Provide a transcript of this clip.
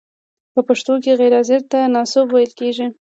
په پښتو کې غیر حاضر ته ناسوب ویل کیږی.